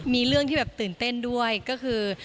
มีเรื่องที่แบบตื่นเต้นด้วยก็คือ